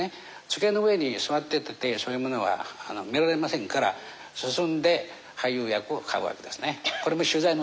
机の上に座ってたってそういうものは見られませんから進んで俳優役を買うわけですね。